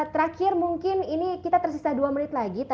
terakhir mungkin ini kita tersisa dua menit lagi